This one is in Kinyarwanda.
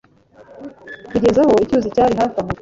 bigeza aho icyuzi cyari hafi aho